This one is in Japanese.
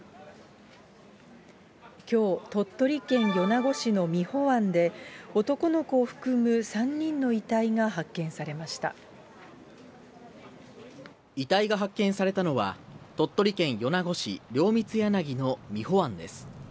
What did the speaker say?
きょう、鳥取県米子市のみほ湾で、男の子を含む３人の遺体が発見されまし遺体が発見されたのは、鳥取県米子市両三柳のみほ湾です。